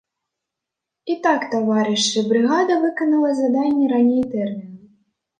І так, таварышы, брыгада выканала заданне раней тэрміну.